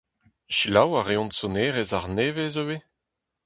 Selaou a reont sonerezh arnevez ivez ?